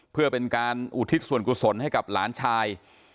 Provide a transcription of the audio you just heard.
เพื่อเป็นการอุทิศส่วนกุศลให้กับหลานชาย